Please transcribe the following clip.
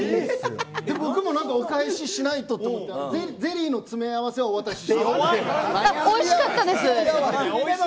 僕も何かお返ししないとと思ってゼリーの詰め合わせをお渡ししました。